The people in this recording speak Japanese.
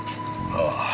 ああ。